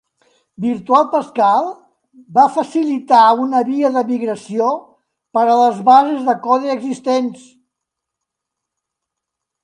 Virtual Pascal va facilitar una via de migració per a les bases de codi existents.